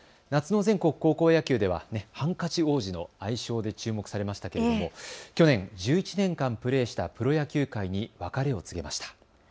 夏の全国高校野球ではハンカチ王子の愛称で注目されましたけれども去年、１１年間プレーしたプロ野球界に別れを告げました。